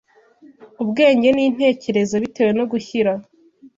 ubwenge, n’intekerezo, bitewe no gushyira